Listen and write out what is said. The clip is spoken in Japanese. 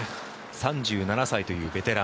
３７歳というベテラン。